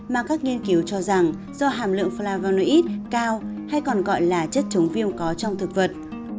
mà các nghiên cứu cho rằng do hàm lượng flavonoid cao hay còn gọi là chất chống viêm có trong thực vật